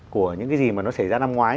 của những cái gì mà nó xảy ra năm ngoái